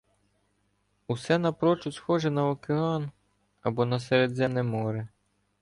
Усе напрочуд схоже на океан або Середземне море